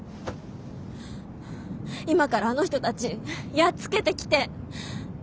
今からあの人たちやっつけてきて。